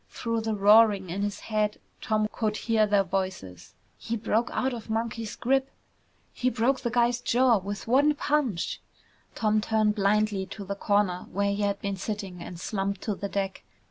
Through the roaring in his head, Tom could hear their voices, "He broke out of Monkey's grip!" "He broke the guy's jaw with one punch!" Tom turned blindly to the corner where he had been sitting and slumped to the deck.